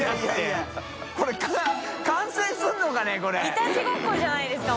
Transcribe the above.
いたちごっこじゃないですか